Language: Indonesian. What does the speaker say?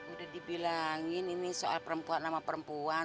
udah dibilangin ini soal perempuan sama perempuan